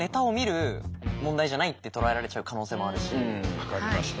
分かりました。